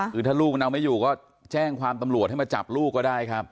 คือถ้าลูกมันเอาไม่อยู่ก็แจ้งความตำรวจให้มาจับลูกก็ได้ครับ